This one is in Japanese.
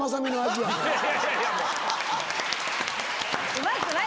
うまくない！